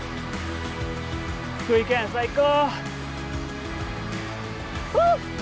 福井県最高！